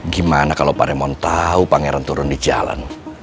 gimana kalau pak remon tahu pangeran turun di jalan